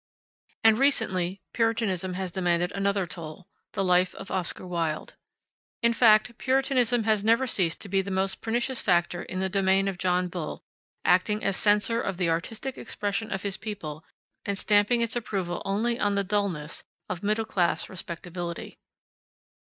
And recently Puritanism has demanded another toll the life of Oscar Wilde. In fact, Puritanism has never ceased to be the most pernicious factor in the domain of John Bull, acting as censor of the artistic expression of his people, and stamping its approval only on the dullness of middle class respectability.